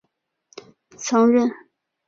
曾任德间书店社长。